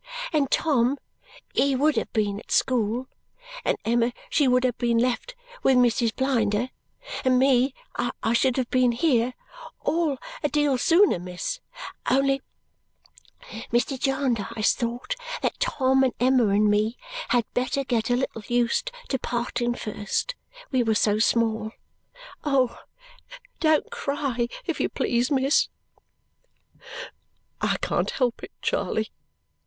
And Tom, he would have been at school and Emma, she would have been left with Mrs. Blinder and me, I should have been here all a deal sooner, miss; only Mr. Jarndyce thought that Tom and Emma and me had better get a little used to parting first, we was so small. Don't cry, if you please, miss!" "I can't help it, Charley."